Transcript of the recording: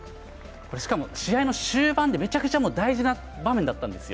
しかも試合の終盤、めちゃくちゃ大事な場面だったんですよ。